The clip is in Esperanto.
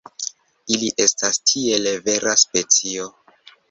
Ili estas tiele vera specio.